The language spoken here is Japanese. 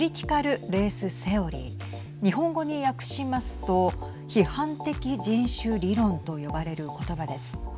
日本語に訳しますと批判的人種理論と呼ばれる言葉です。